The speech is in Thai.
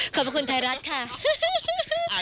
ขอบคุณไทยรัฐค่ะ